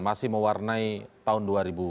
masih mewarnai tahun dua ribu tujuh belas